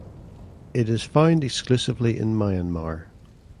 It is found exclusively in Myanmar.